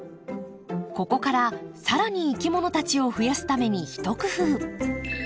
ここから更にいきものたちを増やすために一工夫。